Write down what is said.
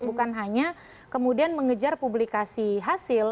bukan hanya kemudian mengejar publikasi hasil